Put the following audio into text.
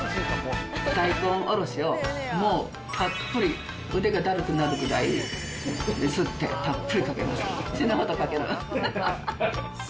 大根おろしを、もうたっぷり、腕がだるくなるくらいすって、たっぷりかけます。